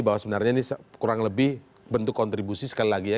bahwa sebenarnya ini kurang lebih bentuk kontribusi sekali lagi ya